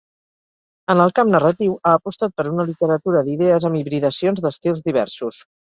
En el camp narratiu ha apostat per una literatura d'idees, amb hibridacions d'estils diversos.